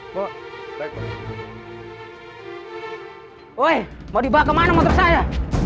woi mau dibawa ke mana motor saya